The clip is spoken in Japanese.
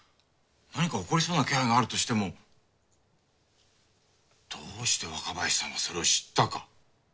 何か起こりそうな気配があるとしてもどうして若林さんがそれを知ったか？